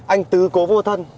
anh tứ cố vô thân